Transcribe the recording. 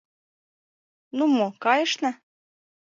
— Ну мо, кайышна...